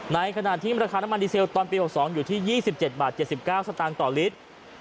ในขณะที่ราคาน้ำมันดีเซลตอนปี๖๒อยู่ที่๒๗บาท๗๙สตางค์ต่อลิตร